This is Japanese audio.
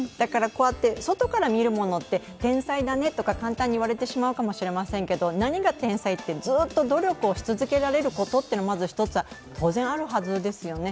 外から見えるものって、天才だねと簡単に言われるかもしれないけど何が天才って、ずっと努力をし続けられることというのがまず一つは当然あるはずですよね。